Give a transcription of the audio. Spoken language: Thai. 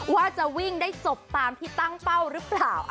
ว่าจะวิ่งได้จบตามที่ตั้งเป้าหรือเปล่า